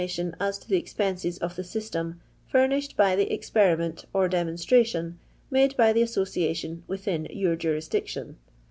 tion as to the ezpensei of the lystep, famished by the experiment or demonstration made by the Association within your jorisdiction.